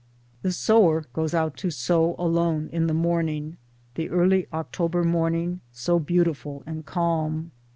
The sower goes out to sow, alone in the morning, the early October morning so beautiful and calm.